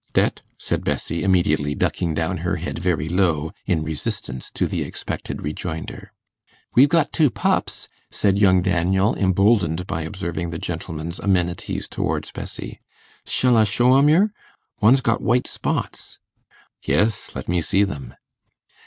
'Det,' said Bessie, immediately ducking down her head very low, in resistance to the expected rejoinder. 'We've got two pups,' said young Daniel, emboldened by observing the gentleman's amenities towards Bessie. 'Shall I show 'em yer? One's got white spots.' 'Yes, let me see them.